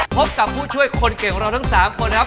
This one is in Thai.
พบกับผู้ช่วยคนเก่งของเราทั้ง๓คนนะครับ